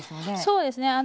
そうですね。